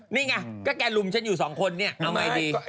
นี่ไงก็แกลุมฉันอยู่สองคนเนี่ยเอาไงดี